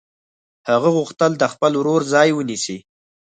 هغه غوښتل د خپل ورور ځای ونیسي